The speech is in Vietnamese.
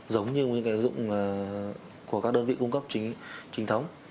giống như những ứng dụng của các đơn vị cung cấp trình thống